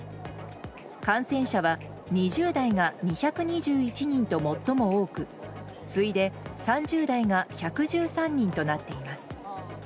感染者は２０代が２２１人と最も多く次いで３０代が１１３人となっています。